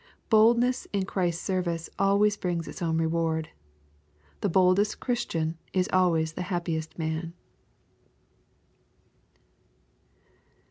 Boldness in Christ's service always brings its own reward. The boldest Christian is always the happiest man.